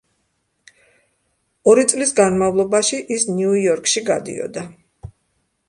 ორი წლის განმავლობაში ის ნიუ-იორკში გადიოდა.